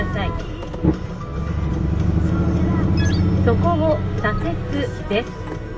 「そこを左折です。